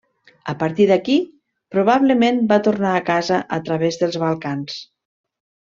A partir d'aquí, probablement, va tornar a casa a través dels Balcans.